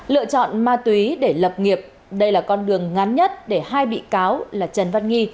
lựa chọn ma túy để lập nghiệp đây là con đường ngắn nhất để hai bị cáo là trần văn nghi